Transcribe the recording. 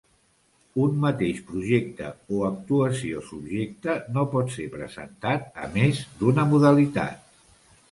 Un mateix projecte o actuació subjecte no pot ser presentat a més d'una modalitat.